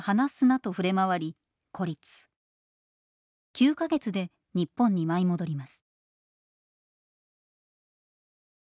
９か月で日本に舞い戻ります。